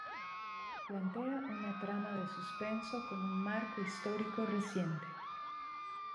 Plantea una trama de suspenso con un marco histórico reciente.